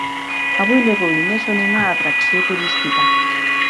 Avui les ruïnes són una atracció turística.